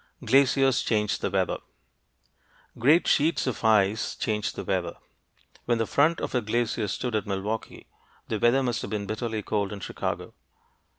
GLACIERS CHANGE THE WEATHER Great sheets of ice change the weather. When the front of a glacier stood at Milwaukee, the weather must have been bitterly cold in Chicago.